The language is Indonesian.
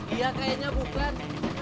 iya kayaknya bukan